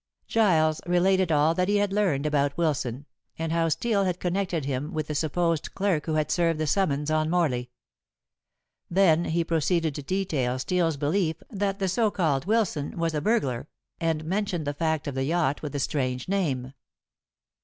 Giles related all that he had learned about Wilson, and how Steel had connected him with the supposed clerk who had served the summons on Morley. Then he proceeded to detail Steel's belief that the so called Wilson was a burglar, and mentioned the fact of the yacht with the strange name.